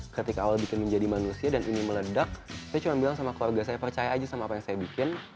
ketika awal bikin menjadi manusia dan ini meledak saya cuma bilang sama keluarga saya percaya aja sama apa yang saya bikin